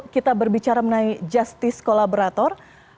kita berbicara mengenai justice kolaborator